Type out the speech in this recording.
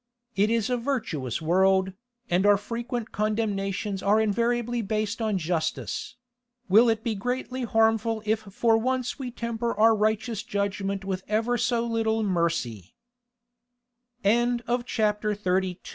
It is a virtuous world, and our frequent condemnations are invariably based on justice; will it be greatly harmful if for once we temper our righteous judgment with ever so little mercy?